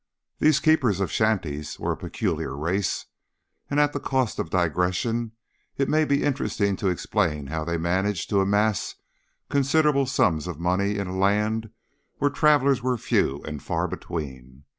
These keepers of shanties were a peculiar race, and at the cost of a digression it may be interesting to explain how they managed to amass considerable sums of money in a land where travellers were few and far between.